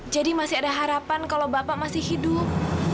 jadi masih ada harapan kalau bapak masih hidup